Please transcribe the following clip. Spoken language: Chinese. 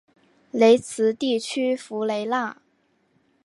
雷茨地区弗雷奈。